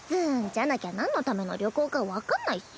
じゃなきゃなんのための旅行か分かんないっス。